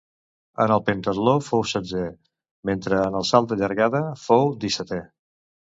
En el pentatló fou setzè, mentre en el salt de llargada fou dissetè.